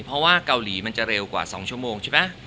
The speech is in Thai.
เพราะว่าเกาหลีมันจะเร็วกว่า๒ชั่วโมงใช่ไหม